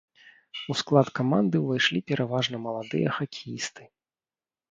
У склад каманды ўвайшлі пераважна маладыя хакеісты.